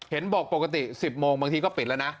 บอกปกติ๑๐โมงบางทีก็ปิดแล้วนะ